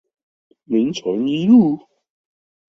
明誠一路